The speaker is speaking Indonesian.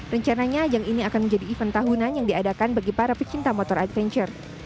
rencananya ajang ini akan menjadi event tahunan yang diadakan bagi para pecinta motor adventure